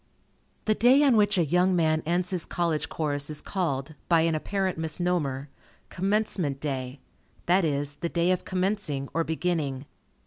The day on which a young man ends his College course is called, by an apparent misnomer, "Commencement" day; that is, the day of commencing, or beginning.